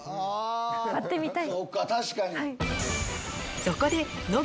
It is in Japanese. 割ってみたい。